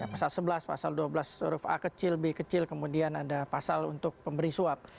pasal sebelas pasal dua belas huruf a kecil b kecil kemudian ada pasal untuk pemberi suap